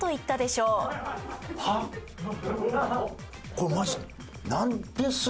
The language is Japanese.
これマジ。